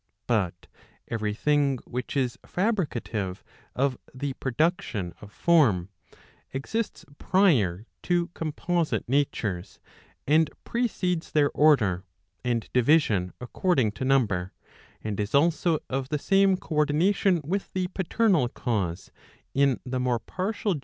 But every thing which is fabricative of the production of form, exists prior to composite natures, and precedes their order, and division according to number, and is also of the same co ordination with the paternal cause, in the more partial genera of things.